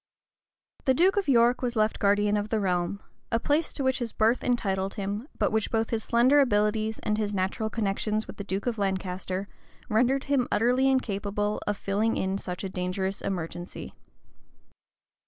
The duke of York was left guardian of the realm; a place to which his birth entitled him, but which both his slender abilities, and his natural connections with the duke of Lancaster, rendered him utterly incapable of filling in such a dangerous emergency.